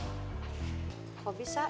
tapi kayaknya nginep di rumah si nyomut